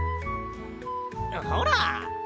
ほら。